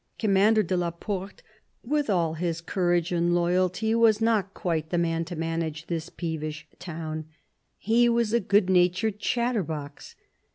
Commander de la Porte, with all his courage and loyalty, THE BISHOP OF LUgON 121 was not quite the man to manage " this peevish town." He was a good tempered chatterbox.